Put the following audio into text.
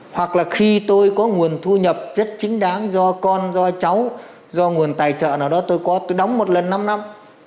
hoặc là khi tôi có nguồn thu nhập rất chính đáng do con do cháu do nguồn tài trợ nào đó tôi có tôi đóng một lần năm năm